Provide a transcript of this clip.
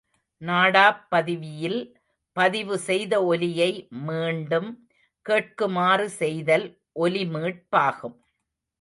நாடாப் பதிவியில் பதிவு செய்த ஒலியை மீண்டும் கேட்குமாறு செய்தல் ஒலிமீட்பாகும்.